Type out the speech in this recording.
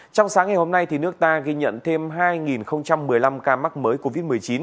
trong sáng ngày hôm nay nước ta ghi nhận thêm hai một mươi năm ca mắc mới covid một mươi chín